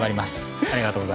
ありがとうございます。